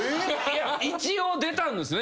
一応出たんですね